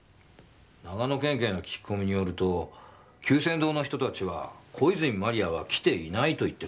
長野県警の聞き込みによると久泉堂の人たちは小泉万里亜は来ていないと言ってるそうだ。